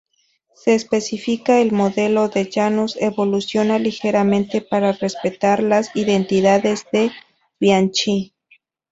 Se especifica el modelo de Janus: evoluciona ligeramente para respetar las identidades de Bianchi.